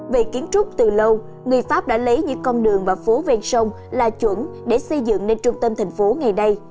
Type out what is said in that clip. về kiến trúc từ lâu người pháp đã lấy những con đường và phố ven sông là chuẩn để xây dựng nên trung tâm thành phố ngày nay